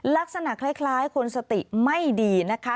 ลักษณะคล้ายคนสติไม่ดีนะคะ